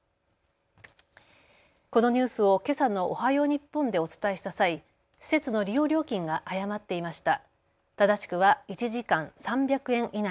このニュースをけさのおはよう日本でお伝えした際、施設の利用料金が誤っていました。